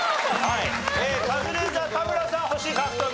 カズレーザー田村さん星獲得。